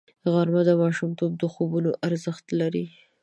غرمه د ماشومتوب د خوبونو ارزښت لري